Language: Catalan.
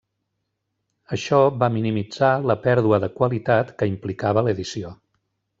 Això va minimitzar la pèrdua de qualitat que implicava l'edició.